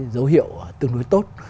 dấu hiệu tương đối tốt